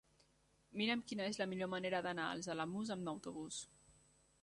Mira'm quina és la millor manera d'anar als Alamús amb autobús.